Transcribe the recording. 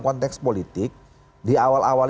konteks politik di awal awal